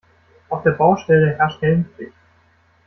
Auf der Baustelle herrscht Helmpflicht.